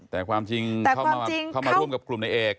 แต่ความจริงเข้ามาร่วมกับกลุ่มในเอก